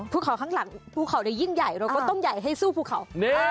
ภูเขาข้างหลังภูเขายิ่งใหญ่เราก็ต้องใหญ่ให้สู้ภูเขา